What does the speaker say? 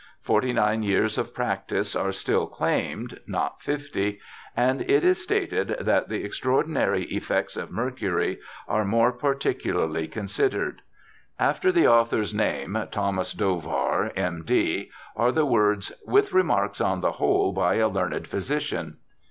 Forty nine years of practice are still claimed (not fifty), and it is stated that 'the extraordinary effects of mercury are more particularly considered'. After the author's name, Thomas Dovar, M.D., are the words, * with remarks on the whole by a learned physi cian.'